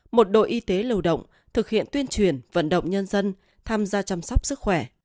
một đội y tế lâu động thực hiện tuyên truyền vận động nhân dân tham gia chăm sóc sức khỏe